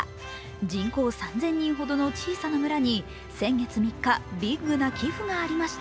人口３０００人ほどの小さな村に先月３日、ビッグな寄付がありました。